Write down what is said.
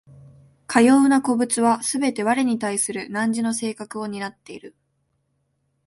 かような個物はすべて我に対する汝の性格を担っている。